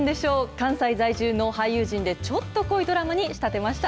関西在住の俳優陣で、ちょっと濃いドラマに仕立てました。